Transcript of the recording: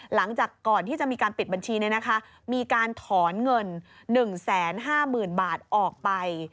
หลังจากก่อนที่จะมีการปิดบัญชีมีการถอนเงิน๑๕๐๐๐บาทออกไป